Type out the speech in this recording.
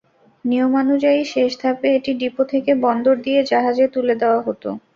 নিয়মানুযায়ী, শেষ ধাপে এটি ডিপো থেকে বন্দর দিয়ে জাহাজে তুলে দেওয়া হতো।